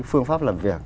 phương pháp làm việc